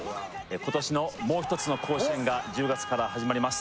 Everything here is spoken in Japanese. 今年のもう一つの甲子園が１０月から始まります